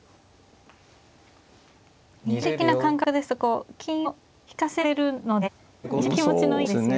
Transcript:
人間的な感覚ですとこう金を引かせられるので一瞬気持ちのいい手ですよね。